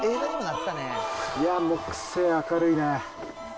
いや、木星明るいね。